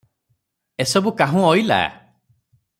ଏ ସବୁ କାହୁଁ ଅଇଲା?"